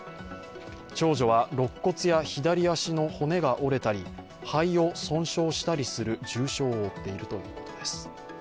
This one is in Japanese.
長女はろっ骨や左足の骨が折れたり、肺を損傷したりする重傷を負っているということです。